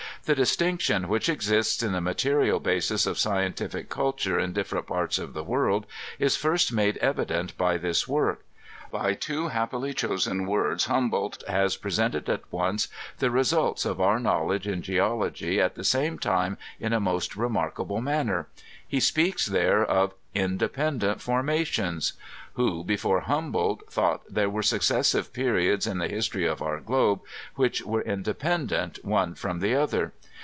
The distinction which exists in the mate rial basis of scientific culture in different parts of the world is first made evident by this work. By two happily chosen words Humboldt has presented at onoe the results of our knowledge in geology at the time, in a most remarkable manner. He speaks there of " independent formations." Who, before Humboldt, thought there were successive periods in the history of our globe which were independent one from the other?